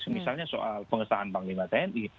misalnya soal pengesahan panglima tni